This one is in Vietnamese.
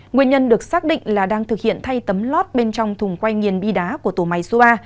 nguyên nhân được xác định là đang thực hiện thay tấm lót bên trong thùng quay nghiền bi đá của tổ máy số ba